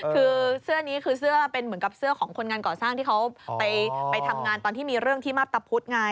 คือเสื้อนี้คือเสื้อเป็นเหมือนกับเสื้อของคนงานก่อสร้างที่เขาไปทำงานตอนที่มีเรื่องที่มาพตะพุธไง